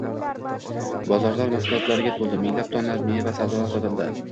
bozorlar mahsulotga to‘ldi, minglab tonna meva-sabzavot sotildi.